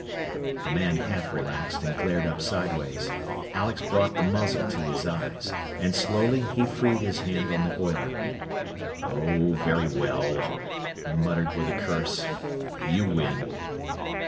The man half relaxed, and glared up sideways. Alex brought the muzzle to his eyes, and slowly he freed his hold on the oiler. "Oh, very well," he muttered with a curse. "You win."